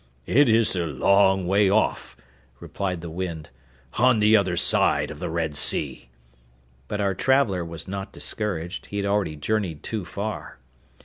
'It is a long way off,' replied the wind, 'on the other side of the Red Sea.' But our traveller was not discouraged, he had already journeyed too far.